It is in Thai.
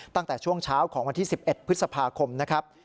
ตั้งแต่ช่วงเช้าของวันที่๑๑พฤษภาคมนะครับ